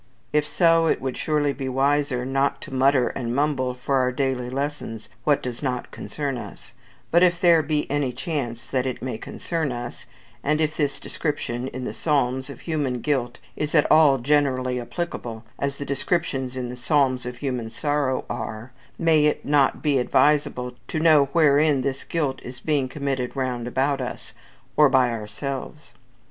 If so, it would surely be wiser not to mutter and mumble for our daily lessons what does not concern us; but if there be any chance that it may concern us, and if this description, in the Psalms, of human guilt is at all generally applicable, as the descriptions in the Psalms of human sorrow are, may it not be advisable to know wherein this guilt is being committed round about us, or by ourselves?